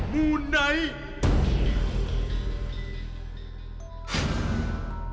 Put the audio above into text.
มูไนท์